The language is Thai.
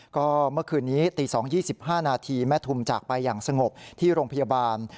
ก็เมื่อคืนนี้ตี๒๒๕นาทีแม่ทุมจากไปอย่างสงบที่โรงพยาบาล